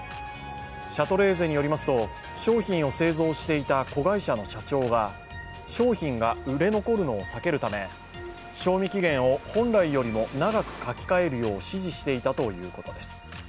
シャトレーゼによりますと、商品を製造していた子会社の社長が商品が売れ残るのを避けるため賞味期限を本来よりも長く書きかえるよう指示していたということです。